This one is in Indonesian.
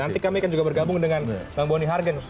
nanti kami akan juga bergabung dengan bang boni hargenus